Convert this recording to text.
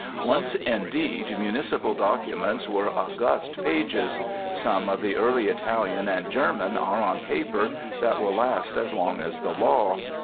Once, indeed, municipal documents were august pages. Some of the early Italian and German are on paper that will last as long as the law.